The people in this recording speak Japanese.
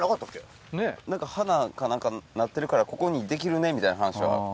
花か何かなってるからここにできるねみたいな話は。